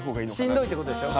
しんどいってことでしょ？